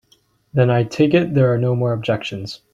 Then I take it there are no objections.